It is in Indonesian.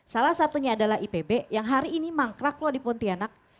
salah satunya adalah ipb yang hari ini mangkrak loh di pontianak